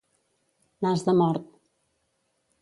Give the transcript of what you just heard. Nas de mort.